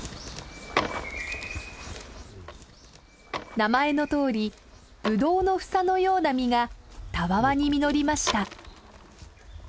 名前のとおりぶどうの房のような実がたわわに実りました。